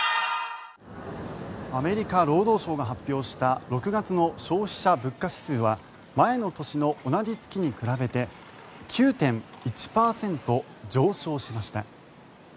アメリカ労働省が発表した６月の消費者物価指数は前の年の同じ月に比べて９．１％上昇しました。